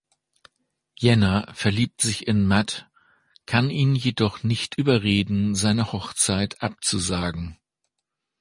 Jenna verliebt sich in Matt, kann ihn jedoch nicht überreden, seine Hochzeit abzusagen.